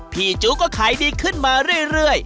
จู้ก็ขายดีขึ้นมาเรื่อย